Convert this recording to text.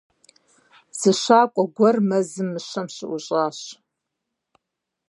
Зы щакӀуэ гуэр мэзым мыщэм щыӀущӀащ.